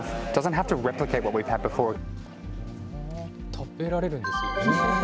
食べられるんですよね。